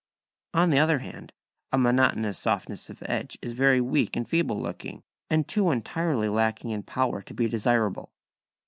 On the other hand, a monotonous softness of edge is very weak and feeble looking, and too entirely lacking in power to be desirable.